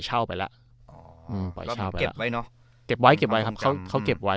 ใช่